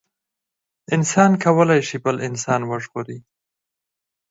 انسان کولي شي بل انسان وژغوري